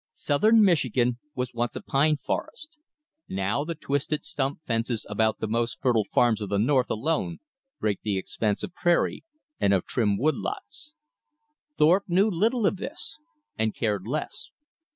Southern Michigan was once a pine forest: now the twisted stump fences about the most fertile farms of the north alone break the expanse of prairie and of trim "wood lots." Thorpe knew little of this, and cared less.